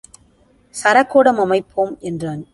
சரகூடம் அமைப்போம் என்றான்.